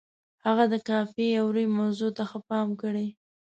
هغه د قافیې او روي موضوع ته ښه پام کړی.